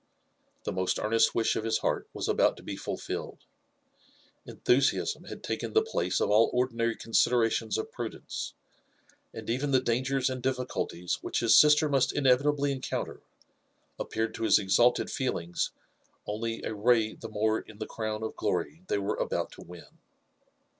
The most earnest wish of his heart was about to be fulfilled ; enthusiasm had taken the place of all ordinary considerations of prudence, and even the dangers and difficulties which his sister must inevitably encounter appeared to his exalted feelings only a ray the more in the crown of glory they were about to win.